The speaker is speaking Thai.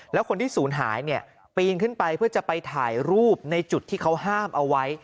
แล้วคนที่ศูนย์หายเนี่ยปีนขึ้นไปเพื่อจะไปถ่ายรูปในจุดที่เขาห้ามเอาไว้